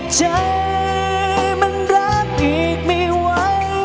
ใจมันรักอีกไม่ไหว